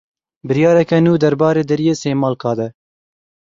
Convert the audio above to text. Biryareke nû derbarê deriyê Sêmalka de.